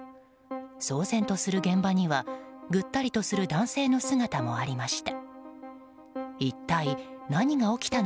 騒然とする現場にはぐったりとする男性の姿もありました。